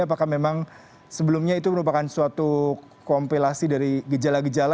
apakah memang sebelumnya itu merupakan suatu kompilasi dari gejala gejala